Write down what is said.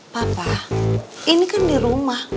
papa ini kan di rumah